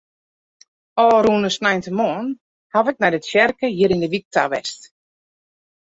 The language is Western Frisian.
Ofrûne sneintemoarn haw ik nei de tsjerke hjir yn de wyk ta west.